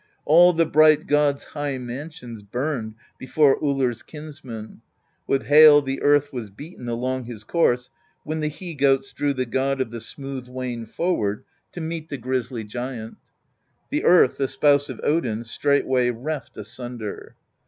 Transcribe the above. All the bright gods' high mansions Burned before Ullr's kinsman; With hail the earth was beaten Along his course, when the he goats Drew the god of the smooth wain forward To meet the grisly giant: The Earth, the Spouse of Odin, Straightway reft asunder.